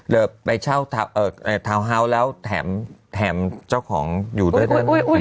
เดี๋ยวไปเช่าเอ่อเอ่อแล้วแถมแถมเจ้าของอยู่ด้วยอุ้ยอุ้ย